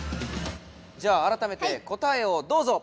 じゃああらためて答えをどうぞ！